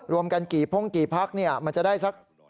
รวมกันกี่พ่งกี่พักเนี่ยมันจะได้สัก๒๐๐